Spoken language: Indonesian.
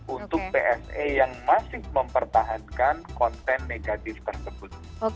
untuk pse yang masih mempertahankan konten negatif tersebut